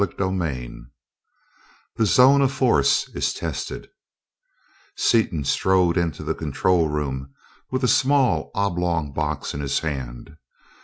CHAPTER IV The Zone of Force Is Tested Seaton strode into the control room with a small oblong box in his hand.